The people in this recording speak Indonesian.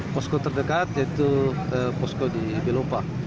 posko terdekat yaitu posko di belopak